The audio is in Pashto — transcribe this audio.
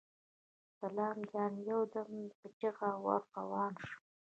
سلام جان يودم په چيغه ور روان شو.